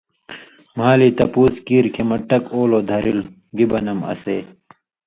مھالی تپُوس کیریۡ کھیں مہ ٹک اولو دھرِلوۡ، گی بنم اسے۔